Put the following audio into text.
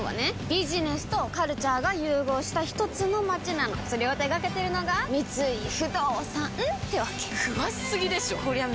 ビジネスとカルチャーが融合したひとつの街なのそれを手掛けてるのが三井不動産ってわけ詳しすぎでしょこりゃ